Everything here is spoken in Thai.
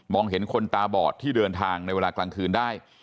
เห็นคนตาบอดที่เดินทางในเวลากลางคืนได้